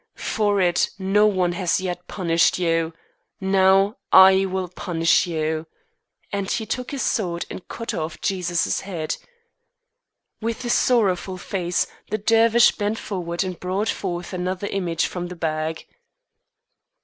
For it no one has yet punished you. Now I will punish you," and he took his sword and cut off Jesus' head. With a sorrowful face the Dervish bent forward and brought forth another image from the bag.